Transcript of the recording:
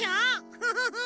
フフフフ！